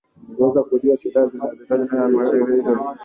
kuweza kujua silaha zinaiingiaje nani wanamiliki hizo silaha